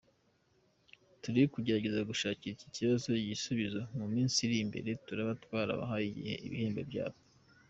Turi kugerageza gushakira iki kibazo igisubizo mu minsi iri imbere turaba twabahaye ibihembo byabo.